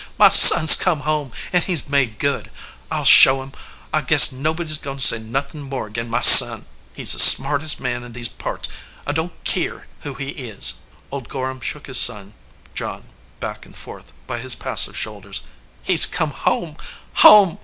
"My son s come home, an* he s made good ! I ll show em. I guess nobody s goin to say nothin* more ag in my son. He s the smart est man in these parts, I don t keer who he is!" Old Gorham shook his son John back and forth by his passive shoulders. "He s come home, home!"